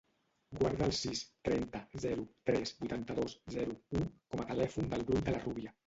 Guarda el sis, trenta, zero, tres, vuitanta-dos, zero, u com a telèfon del Bruc De La Rubia.